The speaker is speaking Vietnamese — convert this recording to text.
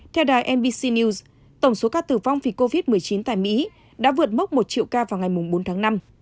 theo đài mbc news tổng số ca tử vong vì covid một mươi chín tại mỹ đã vượt mốc một triệu ca vào ngày bốn tháng năm